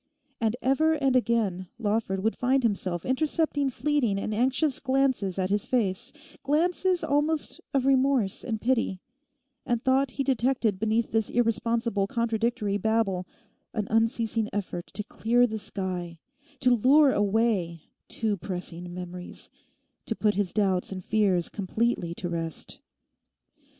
And ever and again Lawford would find himself intercepting fleeting and anxious glances at his face, glances almost of remorse and pity; and thought he detected beneath this irresponsible contradictory babble an unceasing effort to clear the sky, to lure away too pressing memories, to put his doubts and fears completely to rest.